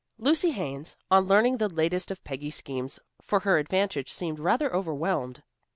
Lucy Haines, on learning the latest of Peggy's schemes for her advantage seemed rather overwhelmed.